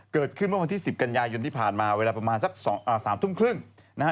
เกิดขึ้นเมื่อวันที่๑๐กันยายนที่ผ่านมาเวลาประมาณสัก๓ทุ่มครึ่งนะฮะ